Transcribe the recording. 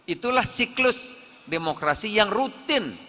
itulah siklus demokrasi yang rutin